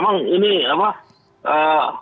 memang ini apa